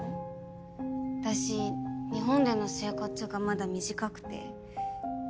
私日本での生活がまだ短くて。